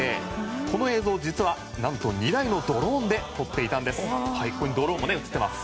この映像、実は何と２台のドローンで撮っていたんです。